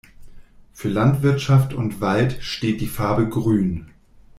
Für Landwirtschaft und Wald steht die Farbe Grün.